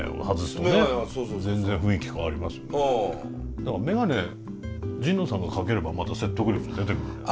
だから眼鏡神野さんがかければまた説得力も出てくんじゃない？